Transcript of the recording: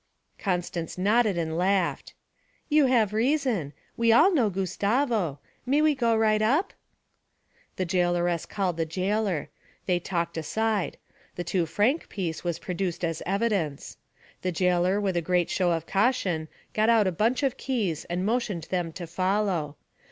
Constance nodded and laughed. 'You have reason! We all know Gustavo may we go right up?' The jailoress called the jailor. They talked aside; the two franc piece was produced as evidence. The jailor with a great show of caution got out a bunch of keys and motioned them to follow.